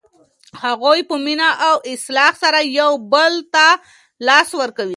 هغوی په مینه او اخلاص سره یو بل ته لاس ورکوي.